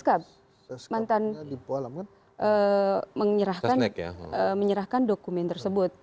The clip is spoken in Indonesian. kpk mantan menyerahkan dokumen tersebut